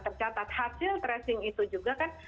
tercatat hasil tracing itu juga kan